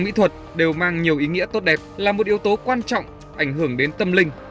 mỹ thuật đều mang nhiều ý nghĩa tốt đẹp là một yếu tố quan trọng ảnh hưởng đến tâm linh